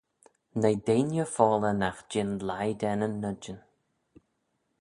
Noi deiney foalley nagh jean leih da nyn noidyn.